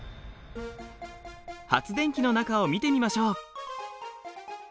発電機の中を見てみましょう。